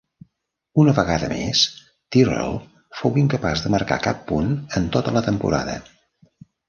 Una vegada més, Tyrrell fou incapaç de marcar cap punt en tota la temporada.